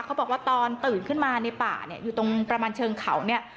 เขาบอกว่าตอนตื่นขึ้นมาในป่าเนี่ยอยู่ตรงประมาณเชิงเขาเนี่ย